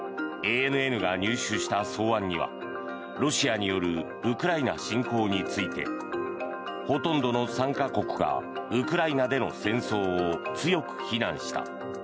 ＡＮＮが入手した草案にはロシアによるウクライナ侵攻についてほとんどの参加国がウクライナでの戦争を強く非難した。